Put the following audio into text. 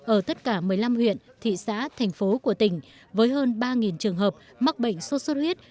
ở tất cả một mươi năm huyện thị xã thành phố của tỉnh với hơn ba trường hợp mắc bệnh sốt xuất huyết